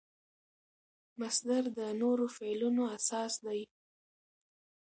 مصدر د نورو فعلونو اساس دئ.